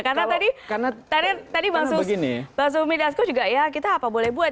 karena tadi bang sumi dasku juga ya kita apa boleh buat